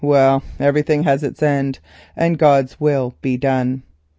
Well, everything has its end and God's will be done."